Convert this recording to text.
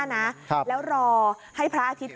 แล้วรอให้พระอาทิตย์